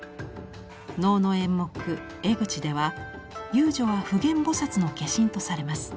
能の演目「江口」では遊女は普賢菩薩の化身とされます。